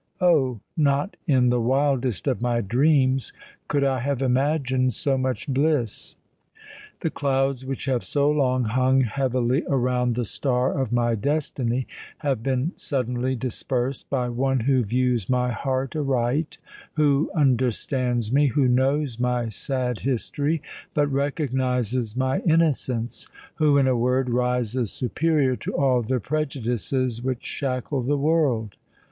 Oh! not in the wildest of my dreams could I have imagined so much bliss. The clouds which have so long hung heavily around the star of my destiny, have been suddenly dispersed by one who views my heart aright—who understands me—who knows my sad history, but recognises my innocence—who, in a word, rises superior to all the prejudices which shackle the world.